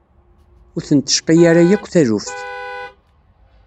Ur ten-tecqi ara yakk taluft.